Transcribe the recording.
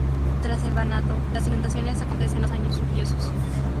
Tras el Banato, las inundaciones acontecen los años lluviosos.